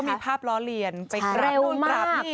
มีภาพล้อเลียนไปกราบนู่นปราบ